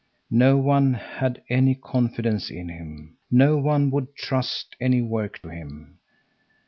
No one had any confidence in him, no one would trust any work to him.